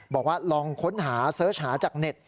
บอกว่าลองค้นหาเสิร์ชหาจากเน็ต